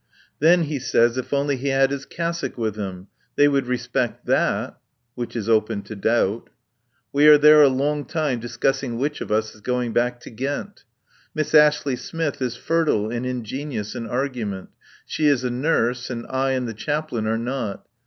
Then he says, if only he had his cassock with him. They would respect that (which is open to doubt). We are there a long time discussing which of us is going back to Ghent. Miss Ashley Smith is fertile and ingenious in argument. She is a nurse, and I and the Chaplain are not.